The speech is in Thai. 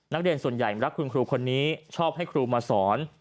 นักเรียนส่วนใหญ่รักคุณครูคนนี้ชอบให้ครูมาสอน